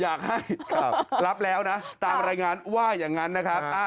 อยากให้รับแล้วนะตามรายงานว่าอย่างนั้นนะครับ